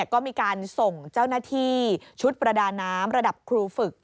ก็มีการส่งเจ้าหน้าที่ชุดประดาน้ำระดับครูฝึก